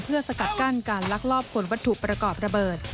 เพื่อสกัดกั้นการลักลอบขนวัตถุประกอบระเบิด